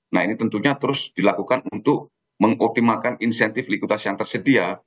nah ini tentunya terus dilakukan untuk mengoptimalkan insentif likuiditas yang tersedia